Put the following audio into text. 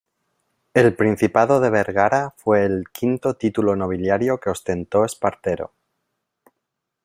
El Principado de Vergara fue el quinto título nobiliario que ostentó Espartero.